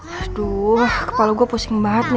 waduh kepala gue pusing banget nih